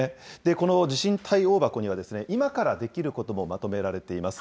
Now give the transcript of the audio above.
この地震対応箱には今からできることもまとめられています。